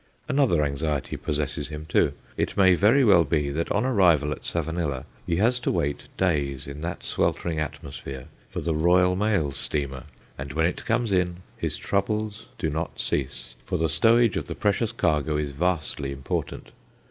Another anxiety possesses him too. It may very well be that on arrival at Savanilla he has to wait days in that sweltering atmosphere for the Royal Mail steamer. And when it comes in, his troubles do not cease, for the stowage of the precious cargo is vastly important.